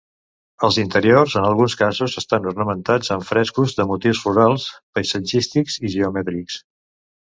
Els interiors en alguns casos, estan ornamentats amb frescos de motius florals, paisatgístics i geomètrics.